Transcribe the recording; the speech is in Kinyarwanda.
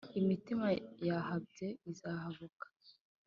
Imitima yahabye izahabuka,